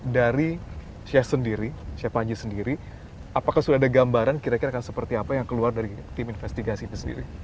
dari sheikh sendiri sheikh panji sendiri apakah sudah ada gambaran kira kira seperti apa yang keluar dari tim investigasi itu sendiri